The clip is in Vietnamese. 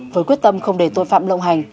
với quyết tâm không để tội phạm lộng hành